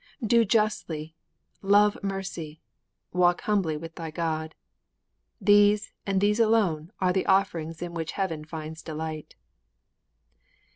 _ Do justly! Love mercy! Walk humbly with thy God! These, and these alone, are the offerings in which heaven finds delight.